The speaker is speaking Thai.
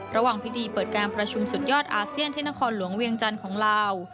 ระหว่างพิธีเปิดการประชุมสุดยอดอาเซียนที่นครหลวงเวียงจันทร์ของลาว